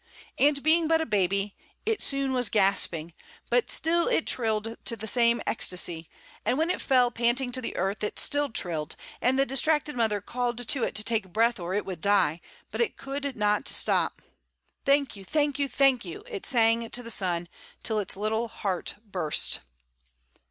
And being but a baby, it soon was gasping, but still it trilled the same ecstasy, and when it fell panting to earth it still trilled, and the distracted mother called to it to take breath or it would die, but it could not stop. "Thank you, thank you, thank you!" it sang to the sun till its little heart burst.